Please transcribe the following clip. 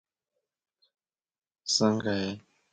One of the earliest uses of smileys in chat systems was in Yahoo!